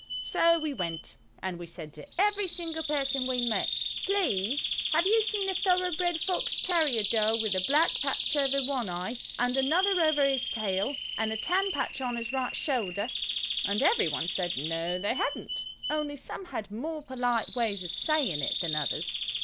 So we went. And we said to every single person we met– "Please have you seen a thoroughbred fox terrier dog with a black patch over one eye, and another over his tail, and a tan patch on his right shoulder?" And every one said, "No, they hadn't," only some had more polite ways of saying it than others.